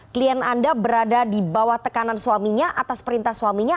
klien anda berada di bawah tekanan suaminya atas perintah suaminya